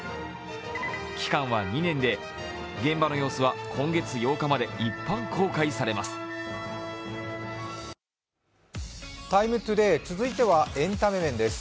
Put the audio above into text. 期間は２年で、現場の様子は今月８日まで一般公開されます。